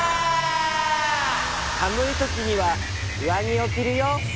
さむいときにはうわぎをきるよ。